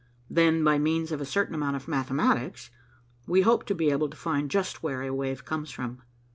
Then, by means of a certain amount of mathematics, we hope to be able to find just where a wave comes from.